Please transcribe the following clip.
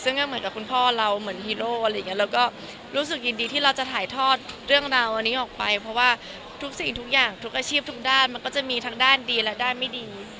ซึ่งก็เหมือนกับคุณพ่อเราเหมือนฮีโร่อะไรอย่างนี้เราก็รู้สึกยินดีที่เราจะถ่ายทอดเรื่องราวอันนี้ออกไปเพราะว่าทุกสิ่งทุกอย่างทุกอาชีพทุกด้านมันก็จะมีทั้งด้านดีและด้านไม่ดี